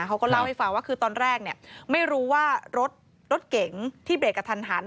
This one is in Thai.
เขาก็เล่าให้ฟังว่าคือตอนแรกไม่รู้ว่ารถเก๋งที่เบรกกระทันหัน